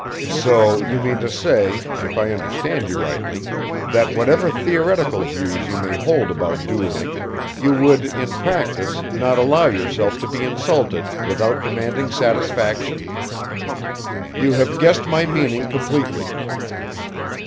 "So, you mean to say, if I understand you rightly, that whatever theoretical views you may hold about dueling, you would in practice not allow yourself to be insulted without demanding satisfaction?" "You have guessed my meaning completely."